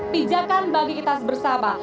pijakan bagi kita bersama